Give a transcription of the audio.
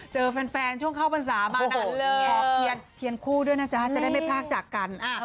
เจอแฟนช่วงเข้าพรรษามานั้นเลยขอเทียนคู่ด้วยนะจ๊ะจะได้ไม่พรากจากกัน